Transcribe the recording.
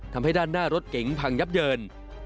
ทำให้ด้านหน้ารถเก๋งพังยับเยิน